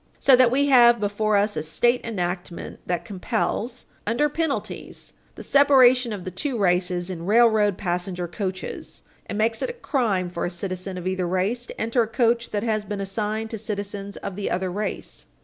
So that we have before us a state enactment that compels, under penalties, the separation of the two races in railroad passenger coaches, and makes it a crime for a citizen of either race to enter a coach that has been assigned to citizens of the other race.